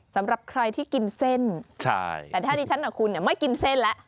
สำหรับใครที่กินเส้นใช่แต่ถ้าดิฉันกับคุณเนี่ยไม่กินเส้นแล้ว